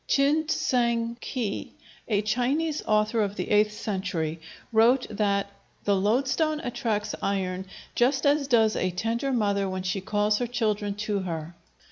Chin T'sang Khi, a Chinese author of the eighth century, wrote that "the loadstone attracts iron just as does a tender mother when she calls her children to her."